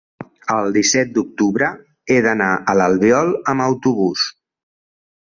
el disset d'octubre he d'anar a l'Albiol amb autobús.